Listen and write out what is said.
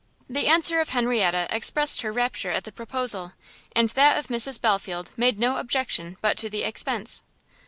The answer of Henrietta expressed her rapture at the proposal; and that of Mrs Belfield made no objection but to the expence.